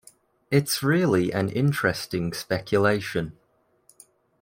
It’s really an interesting speculation.